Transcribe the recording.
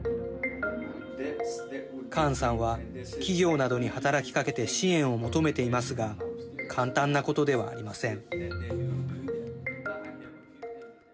カーンさんは企業などに働きかけて支援を求めていますが簡単なことではありません。